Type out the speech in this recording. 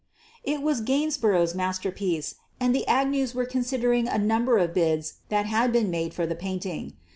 It was Gainsborough's masterpiece, and the Ag news were considering a number of bids that had been made for the painting.